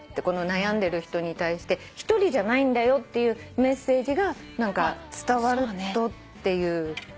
この悩んでる人に対して１人じゃないんだよっていうメッセージが何か伝わるとっていう。